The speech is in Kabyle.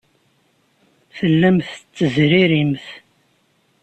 Tellamt tettezririmt.